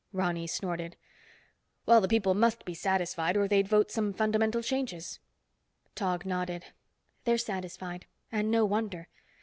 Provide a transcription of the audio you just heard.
Ronny snorted. "Well, the people must be satisfied or they'd vote some fundamental changes." Tog nodded. "They're satisfied, and no wonder.